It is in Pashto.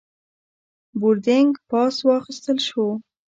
بوردینګ پاس واخیستل شو.